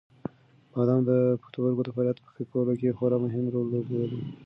بادام د پښتورګو د فعالیت په ښه کولو کې خورا مهم رول لوبوي.